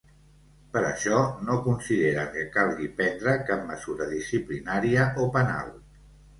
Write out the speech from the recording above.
Per això no consideren que calgui prendre cap mesura disciplinària o penal.